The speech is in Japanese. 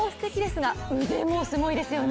平野さん、顔もすてきですが腕もすごいですよね。